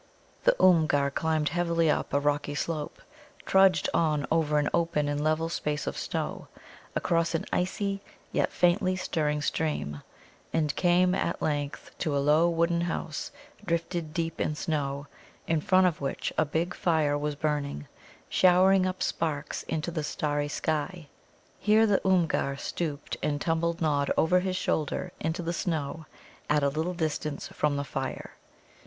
The Oomgar climbed heavily up a rocky slope, trudged on over an open and level space of snow, across an icy yet faintly stirring stream, and came at length to a low wooden house drifted deep in snow, in front of which a big fire was burning, showering up sparks into the starry sky. Here the Oomgar stooped and tumbled Nod over his shoulder into the snow at a little distance from the fire.